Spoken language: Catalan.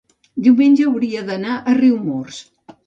diumenge hauria d'anar a Riumors.